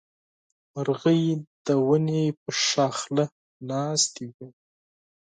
مرغۍ د ونې پر څانګه ناستې وې.